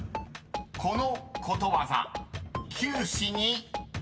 ［このことわざ］